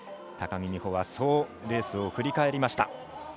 高木美帆はそうレースを振り返りました。